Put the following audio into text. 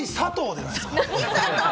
じゃないですか？